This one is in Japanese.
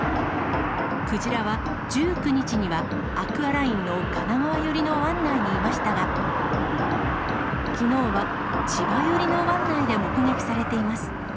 クジラは１９日には、アクアラインの神奈川寄りの湾内にいましたが、きのうは千葉寄りの湾内で目撃されています。